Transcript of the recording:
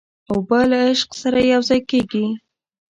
اوبه له عشق سره یوځای کېږي.